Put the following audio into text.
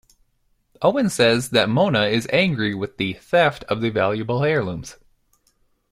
Owen says that Mona is angry with the "theft" of the valuable heirlooms.